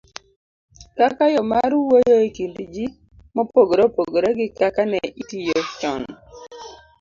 kaka yo mar wuoyo e kind ji mopogore gi kaka ne itiyo chon.